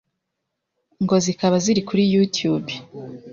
ngo zikaba ziri kuri YouTube.